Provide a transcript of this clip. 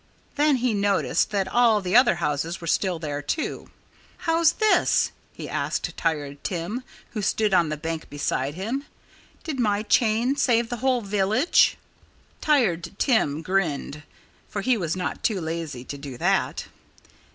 Then he noticed that all the other houses were still there, too. "How's this?" he asked Tired Tim, who stood on the bank beside him. "Did my chain save the whole village?" Tired Tim grinned for he was not too lazy to do that.